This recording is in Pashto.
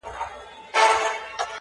مرګه ونیسه لمنه چي در لوېږم!